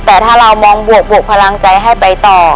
แต่ถ้าเรามองบวกพลังใจให้ไปต่อ